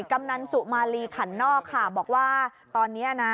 กำนันสุมาลีขันนอกค่ะบอกว่าตอนนี้นะ